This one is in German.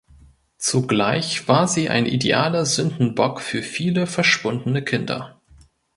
Zugleich war sie ein idealer Sündenbock für viele verschwundene Kinder.